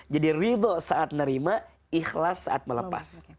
jadi ridho saat menerima ikhlas saat melepas